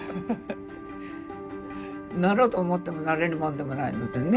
なろうと思ってもなれるもんでもないのでね